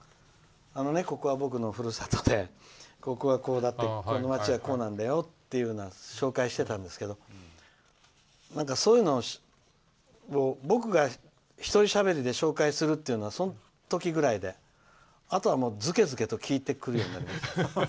ここは僕のふるさとでここはこうで、この町はこうなんだよっていうような紹介してたんですけどそういうのを僕が一人しゃべりで紹介するのはその時ぐらいであとはずけずけと聞いてくるようになりました。